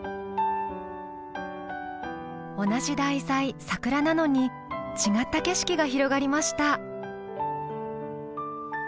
同じ題材「桜」なのに違った景色が広がりました。